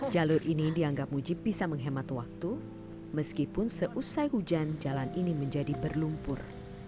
jalur ini dianggap mujib bisa menghemat waktu meskipun seusai hujan jalan ini menjadi berlumpur